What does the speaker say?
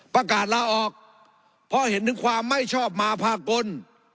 ประกาศลาออกเพราะเห็นถึงความไม่ชอบมาภากล